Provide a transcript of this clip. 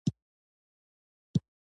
کمپیوټر یوازې صفر او یو ته اړتیا لري.